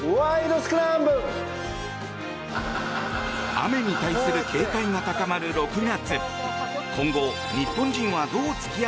雨に対する警戒が高まる６月。